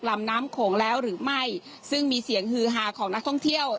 ลำน้ำโขงแล้วหรือไม่ซึ่งมีเสียงฮือฮาของนักท่องเที่ยว